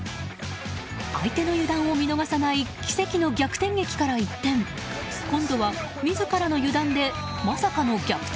相手の油断を見逃さない奇跡の逆転劇から一転今度は、自らの油断でまさかの逆転